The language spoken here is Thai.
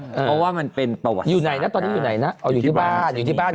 เพราะว่ามันเป็นประวัติศาสตร์อยู่ไหนนะตอนนี้อยู่ไหนนะอยู่ที่บ้าน